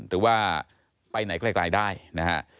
หรือว่าไปไหนไกลได้นะฮะ